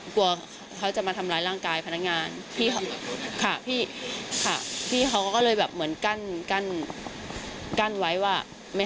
กลัวเขาจะมาทำร้ายร่างกายพนักงานพี่เขาก็เลยแบบเหมือนกั้นไว้ว่า